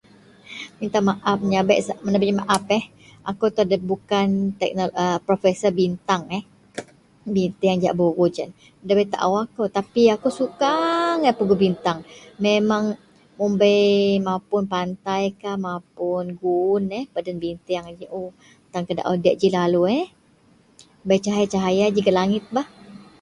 Minta maap, menyabek maap eh akou itou bukan a tek eh professor bintang eh, biteang jegahak buruj yen, ndabei taou akou tapi akou suka angai pegui bintang. Memang mun bei mapun pantaikah mapun guwun, peden binteang tan kedaou diyak ji lalu eh, bei sahaya-sahaya ji gak langitbah.